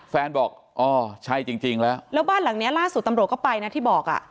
แฟนบอกอ๋อใช่จริงแล้วแล้วบ้านหลังนี้ล่าสุดตำรวจก็ไปที่บอก